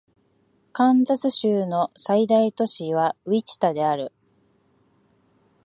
カンザス州の最大都市はウィチタである